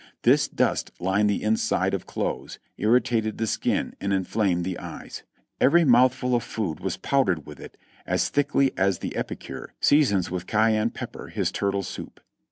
This dust lined the inside of clothes, irritated the skin and inflamed the eyes; every mouthful of food was powdered with it as thickly as the epicure seasons with cayenne pepper his turtle soup.